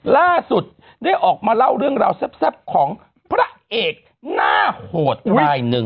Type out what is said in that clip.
ล่าสุดได้ออกมาเล่าเรื่องราวแซ่บของพระเอกหน้าโหดรายหนึ่ง